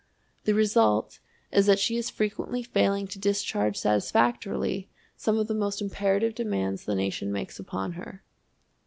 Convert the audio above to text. The result is that she is frequently failing to discharge satisfactorily some of the most imperative demands the nation makes upon her.